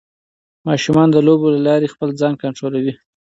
ماشومان د لوبو له لارې خپل ځان کنټرولوي.